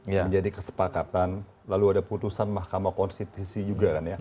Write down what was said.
menjadi kesepakatan lalu ada putusan mahkamah konstitusi juga kan ya